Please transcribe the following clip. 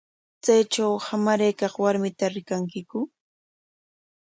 ¿Chaytraw hamaraykaq warmita rikankiku?